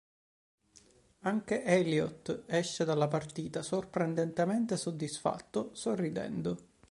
Anche Elliott esce dalla partita sorprendentemente soddisfatto, sorridendo.